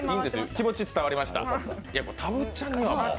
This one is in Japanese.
気持ち伝わりました。